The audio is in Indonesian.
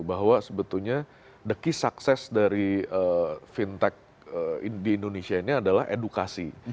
bahwa sebetulnya the key success dari fintech di indonesia ini adalah edukasi